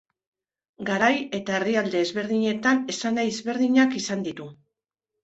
Garai eta herrialde ezberdinetan esanahi ezberdinak izan ditu.